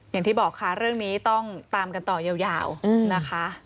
อย่างที่บอกค่ะเรื่องนี้ต้องตามกันต่อยาวนะคะ